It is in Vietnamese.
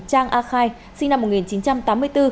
trang a khai sinh năm một nghìn chín trăm tám mươi bốn